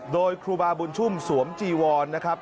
โดยครูบาบุญชุ่มสวมจีวรนะครับ